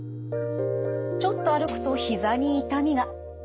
ちょっと歩くとひざに痛みが。